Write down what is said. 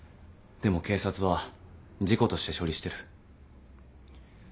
でも警察は事故として処理してる。